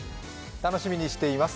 楽しみにしています。